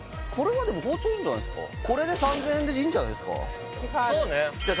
いいよはいこれで３０００円でいいんじゃないですかああ